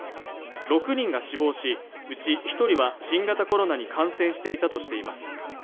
６人が死亡しうち一人は新型コロナに感染していたとしています